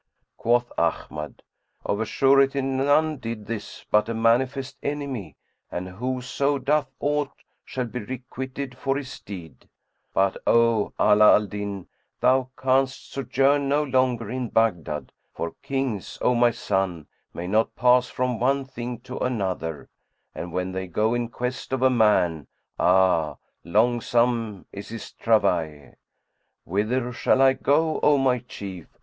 Quoth Ahmad, "Of a surety none did this but a manifest enemy and whoso doth aught shall be requited for his deed; but, O Ala al Din, thou canst sojourn no longer in Baghdad, for Kings, O my son, may not pass from one thing to another, and when they go in quest of a man, ah! longsome is his travail." "Whither shall I go, O my chief?"